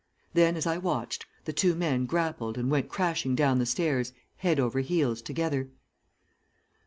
Then, as I watched, the two men grappled and went crashing down the stairs, head over heels together.